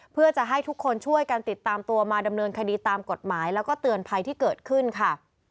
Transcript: เพื่อจะให้ทุกคนช่วยกันติดตามตัวมาดำเนินคดีตามกฎหมายแล้วก็เตือนภัยที่เกิดขึ้นค่ะ